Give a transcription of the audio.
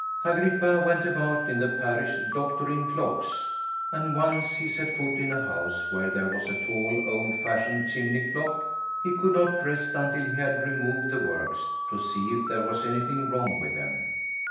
Agrippa went about in the parish "doctoring" clocks, and once he set foot in a house where there was a tall, old fashioned chimney clock he could not rest until he had removed the works, to see if there was anything wrong with them.